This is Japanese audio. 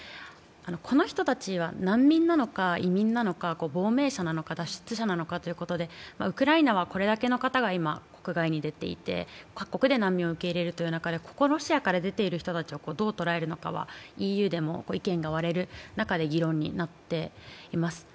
この人たちは難民なのか、移民なのか、亡命者なのか、脱出者なのかということで、ウクライナはこれだけの方が今、国外に出ていて、各国で難民を受け入れるという中で、ロシアから出ている人たちをどうとらえるのかはＥＵでも意見が割れる中で議論になっています。